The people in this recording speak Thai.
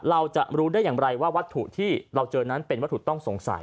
เราจะรู้ได้อย่างไรว่าวัตถุที่เราเจอนั้นเป็นวัตถุต้องสงสัย